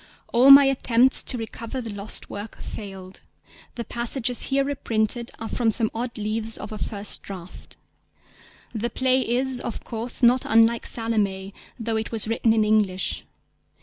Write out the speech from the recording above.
All my attempts to recover the lost work failed. The passages here reprinted are from some odd leaves of a first draft. The play is, of course, not unlike Salomé, though it was written in English.